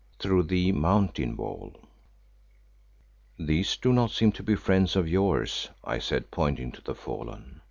THROUGH THE MOUNTAIN WALL "These do not seem to be friends of yours," I said, pointing to the fallen.